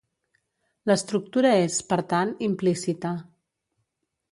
L'estructura és, per tant, implícita.